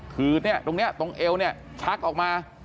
คือเนี่ยตรงนี้ตรงเอวเนี่ยชักออกมา